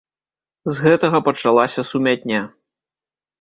З гэтага пачалася сумятня.